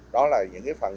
đó là những phần